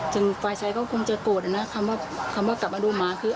จึงฝ่ายชายเขาก็คงจะโกรธนะคำว่ากลับมาดูหมาคู่